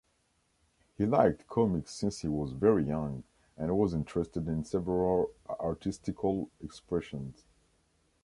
He liked comics since he was very young, and was interested in several artistical expressions.